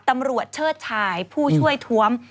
ตำรวจเชิดทรายผู้ช่วยทวม